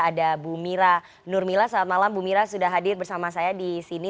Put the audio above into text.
ada bu mira nurmila selamat malam bu mira sudah hadir bersama saya di sini